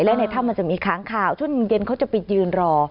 และในถ้ำมันจะมีค้างข่าวช่วงเย็นเขาจะไปยืนรอ